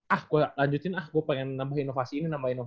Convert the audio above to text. ah gua lanjutin ah gua pengen nambah inovasi ini pas kapan tuh